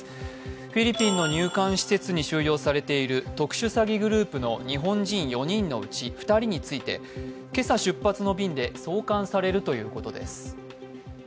フィリピンの入管施設に収容されている特殊詐欺グループの日本人４人のうち２人について、今朝出発の便で送還されるということですす。